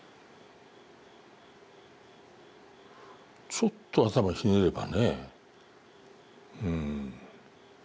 ちょっと頭ひねればねうん。